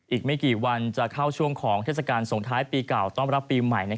อีกไม่กี่วันจะเข้าช่วงของเทศกาลส่งท้ายปีเก่าต้อนรับปีใหม่